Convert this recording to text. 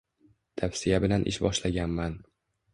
Tavsiya bilan ish boshlaganman.